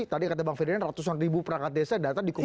tadi kata bang ferdinand ratusan ribu perangkat desa datang di kubu